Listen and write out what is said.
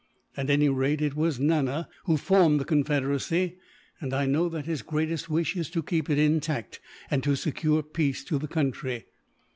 At any rate, it was Nana who formed the confederacy; and I know that his greatest wish is to keep it intact, and to secure peace to the country.